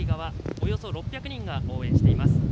およそ６００人が応援しています。